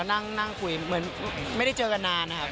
นั่งคุยเหมือนไม่ได้เจอกันนานนะครับ